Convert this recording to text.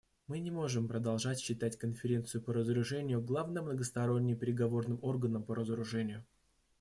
Мы не можем продолжать считать Конференцию по разоружению главным многосторонним переговорным органом по разоружению.